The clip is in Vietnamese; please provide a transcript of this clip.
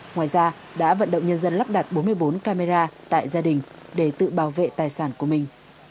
ngoài ra đã vận động nhân dân lắp đặt bốn mươi bốn camera tại gia đình để tự bảo vệ tài sản của mình